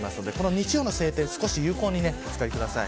日曜日の晴天を有効にお使いください。